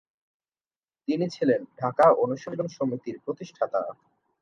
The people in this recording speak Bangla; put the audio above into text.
তিনি ছিলেন ঢাকা অনুশীলন সমিতির প্রতিষ্ঠাতা।